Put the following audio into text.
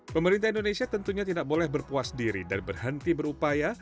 pemerintah indonesia tentunya tidak boleh berpuas diri dan berhenti berupaya